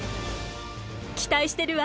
期待してるわ。